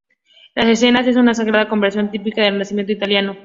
La escena es una sagrada conversación típica del Renacimiento italiano.